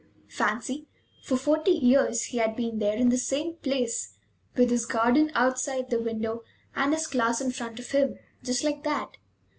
Fancy! For forty years he had been there in the same place, with his garden outside the window and his class in front of him, just like that.